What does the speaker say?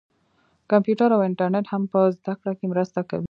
کمپیوټر او انټرنیټ هم په زده کړه کې مرسته کوي.